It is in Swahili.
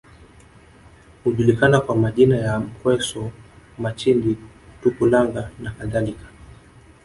Hujulikana kwa majina ya Mkweso Machindi Tukulanga nakadhalika